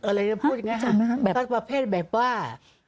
อะไรอย่างนี้พูดอย่างนี้ครับแบบประเภทแบบว่า